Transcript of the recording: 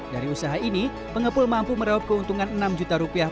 dari usaha ini pengepul mampu meraup keuntungan enam juta rupiah